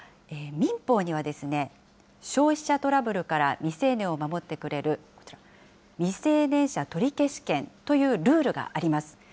民法には消費者トラブルから未成年を守ってくれる、未成年者取消権というルールがあります。